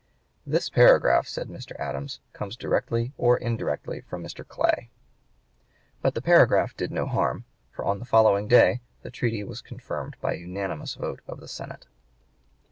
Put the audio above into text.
"This paragraph," said Mr. Adams, "comes directly or indirectly from Mr. Clay." But the paragraph did no harm, for on the following day the treaty was confirmed by an unanimous vote of the Senate.